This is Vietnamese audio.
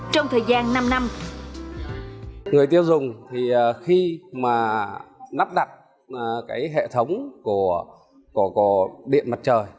trong thời gian năm năm